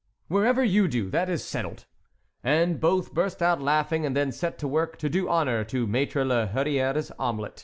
"Wherever you do: that is settled." And both burst out laughing and then set to work to do honor to Maître la Hurière's omelet.